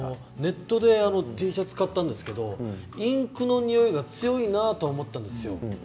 ネットでＴシャツを買ったんですがインクのにおいが強いなと思ったんです。